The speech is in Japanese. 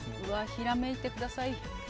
ひらめいてください。